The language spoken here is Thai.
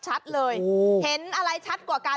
เห็นอะไรชัดกว่ากัน